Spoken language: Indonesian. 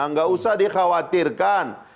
nggak usah dikhawatirkan